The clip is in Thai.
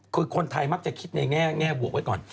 คือคนไทยมักจะคิดในแง่บวกไว้ก่อน